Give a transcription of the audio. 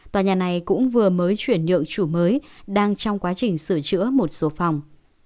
tòa nhà này cũng vừa mới chuyển nhượng chủ mới đang trong quá trình sửa chữa một số phòng